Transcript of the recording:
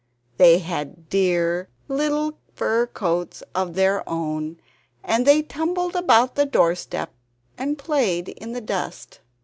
They had dear little fur coats of their own; and they tumbled about the doorstep and played in the dust.